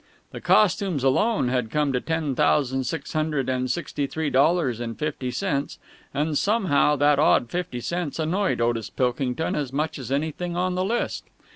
The costumes alone had come to ten thousand six hundred and sixty three dollars and fifty cents, and somehow that odd fifty cents annoyed Otis Pilkington as much as anything on the list.